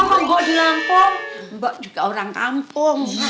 mbak di langkong mbak juga orang kampung